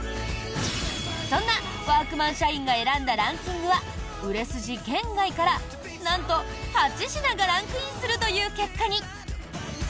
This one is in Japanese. そんなワークマン社員が選んだランキングは売れ筋圏外から、なんと８品がランクインするという結果に。